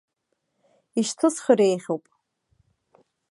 Ишьҭысхыр еиӷьуп.